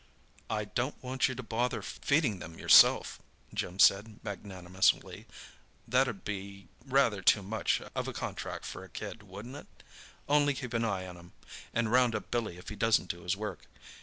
"I don't want you to bother feeding them yourself," Jim said magnanimously; "that 'ud be rather too much of a contract for a kid, wouldn't it? Only keep an eye on 'em, and round up Billy if he doesn't do his work.